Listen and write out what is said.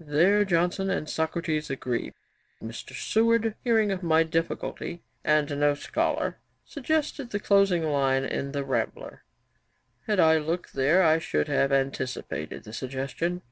There Johnson and Socrates agree. Mr. Seward, hearing of my difficulty, and no scholar, suggested the closing line in the Rambler [ante, i. 226, note 1]; had I looked there I should have anticipated the suggestion.